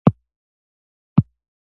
د غزني په ده یک کې د اوسپنې نښې شته.